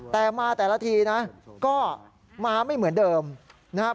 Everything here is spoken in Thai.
แต่มาแต่ละทีนะก็มาไม่เหมือนเดิมนะครับ